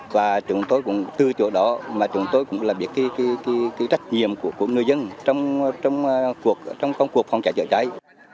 và chúng tôi cũng từ chỗ đó chúng tôi cũng làm việc trách nhiệm của người dân trong công cuộc phòng cháy chữa cháy